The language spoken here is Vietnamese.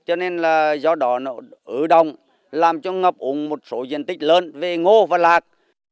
cho nên là do đó nó ứ đồng làm cho ngập úng một số diện tích lớn về ngô và lạc